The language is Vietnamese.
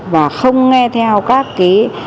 và không nghe theo các cái